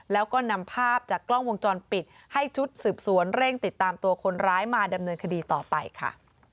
แล้วก็นำภาพจากกล้องวงจรปิดให้ชุดสืบสวนเร่งติดตามตัวคนร้ายมาดำเนินคดีต่อไปค่ะ